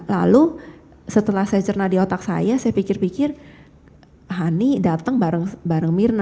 lalu setelah saya cerna di otak saya saya pikir pikir hani datang bareng mirna